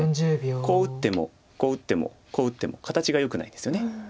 こう打ってもこう打ってもこう打っても形がよくないんですよね。